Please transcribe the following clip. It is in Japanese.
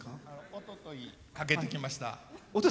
おととい、かけてきました。